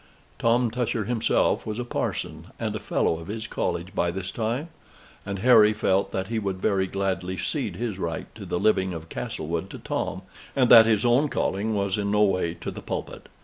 Tom Tusher himself was a parson and a fellow of his college by this time; and Harry felt that he would very gladly cede his right to the living of Castlewood to Tom, and that his own calling was in no way to the pulpit.